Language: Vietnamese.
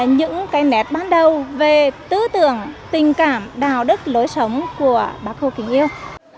những nét bắt đầu về tư tưởng tình cảm đạo đức lối sống của bác khô kính yêu